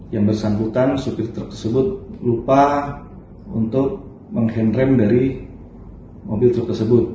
yang bersangkutan supir truk tersebut lupa untuk menghendram dari mobil truk tersebut